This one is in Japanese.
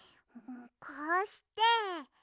こうして。